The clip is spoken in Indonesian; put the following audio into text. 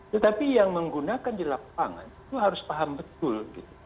tetapi yang menggunakan di lapangan itu harus paham betul